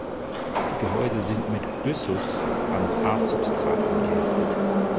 Die Gehäuse sind mit Byssus an Hartsubstrat angeheftet.